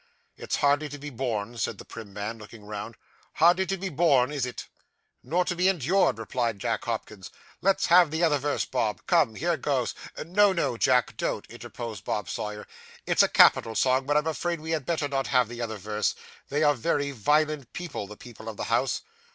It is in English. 'It's hardly to be borne,' said the prim man, looking round. 'Hardly to be borne, is it?' 'Not to be endured,' replied Jack Hopkins; 'let's have the other verse, Bob. Come, here goes!' 'No, no, Jack, don't,' interposed Bob Sawyer; 'it's a capital song, but I am afraid we had better not have the other verse. They are very violent people, the people of the house.